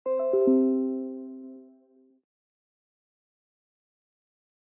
তিনি ভারতে প্রত্যাবর্তন করেন।